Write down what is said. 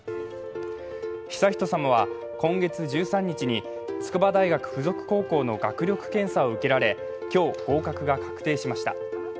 悠仁さまは今月１３日に筑波大学附属高校の学力検査を受けられ、今日、合格が確定しました。